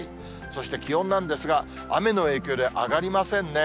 そして気温なんですが、雨の影響で上がりませんね。